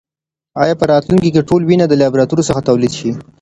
ایا په راتلونکې کې ټول وینه د لابراتوار څخه تولید شي؟